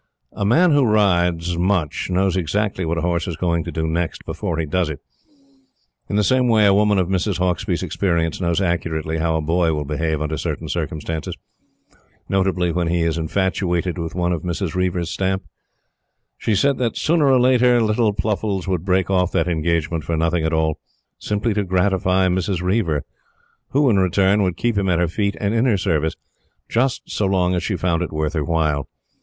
A man who rides much knows exactly what a horse is going to do next before he does it. In the same way, a woman of Mrs. Hauksbee's experience knows accurately how a boy will behave under certain circumstances notably when he is infatuated with one of Mrs. Reiver's stamp. She said that, sooner or later, little Pluffles would break off that engagement for nothing at all simply to gratify Mrs. Reiver, who, in return, would keep him at her feet and in her service just so long as she found it worth her while.